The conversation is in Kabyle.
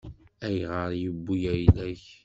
Ayɣer i yewwi ayla-k?